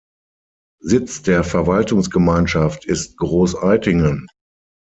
Sitz der Verwaltungsgemeinschaft ist Großaitingen.